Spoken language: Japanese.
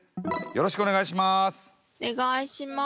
よろしくお願いします。